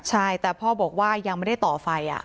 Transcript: ใช่แต่พ่อบอกว่ายังไม่ได้ต่อไฟ